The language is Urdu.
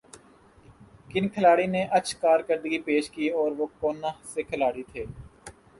کن کھلاڑی نے اچھ کارکردگی پیشہ کی اور وہ کونہ سے کھلاڑی تھے